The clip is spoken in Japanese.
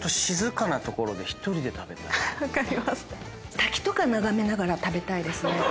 滝とか眺めながら食べたいですね。